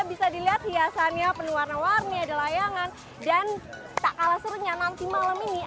bisa dilihat hiasannya penuh warna warni ada layangan dan tak kalah serunya nanti malam ini